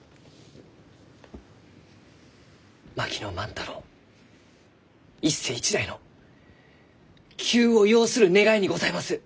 槙野万太郎一世一代の急を要する願いにございます！